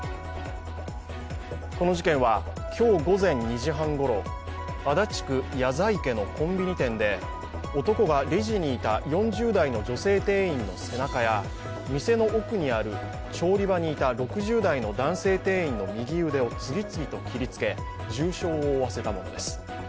この事件は今日午前２時半ごろ足立区谷在家のコンビニ店で男がレジにいた４０代の女性店員の背中や、店の奥にある調理場にいた６０代の男性店員の右腕を次々と切りつけ、重傷を負わせたものです。